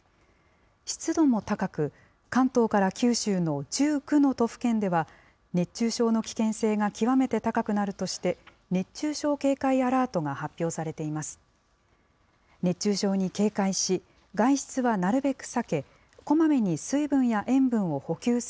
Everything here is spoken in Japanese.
湿度も高く、関東から九州の１９の都府県では、熱中症の危険性が極めて高くなるとして、熱中症警戒アラートが発表されています。